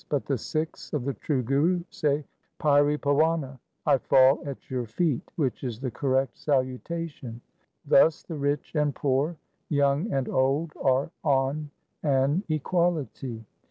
But the Sikhs of the true Guru say ' Pairi pawana '— I fall at your feet — which is the correct salutation. 3 Thus the rich and poor, young and old, are on an equality.